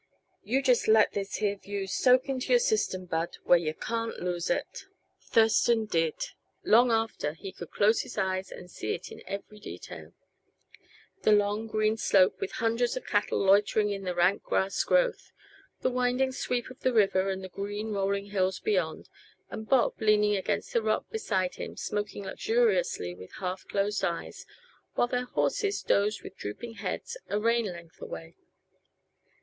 You just let this here view soak into your system, Bud, where yuh can't lose it." Thurston did. Long after he could close his eyes and see it in every detail; the long, green slope with hundreds of cattle loitering in the rank grass growth; the winding sweep of the river and the green, rolling hills beyond; and Bob leaning against the rock beside him, smoking luxuriously with half closed eyes, while their horses dozed with drooping heads a rein length away.